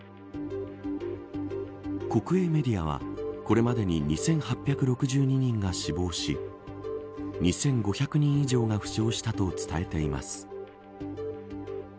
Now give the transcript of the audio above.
国営メディアはこれまでに２８６２人が死亡し２５００人以上が負傷したと伝えています。